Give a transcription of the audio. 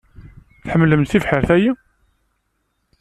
Tḥemlemt tibḥirt-ayi?